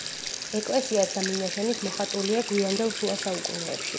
ეკლესიაც და მინაშენიც მოხატულია გვიანდელ შუა საუკუნეებში.